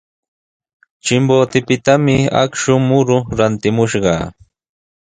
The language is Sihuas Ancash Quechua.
Chimbotepitami akshu muru rantimushaq.